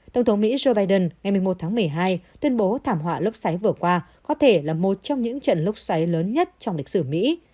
tổng thống mỹ joe biden ngày một mươi một tháng một mươi hai tuyên bố thảm họa lốc xoáy vừa qua có thể là một trong những trận lốc xoáy lớn nhất trong lịch sử mỹ